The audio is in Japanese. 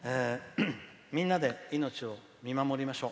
みんなで命を見守りましょう。